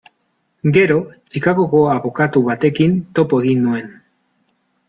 Gero, Chicagoko abokatu batekin topo egin nuen.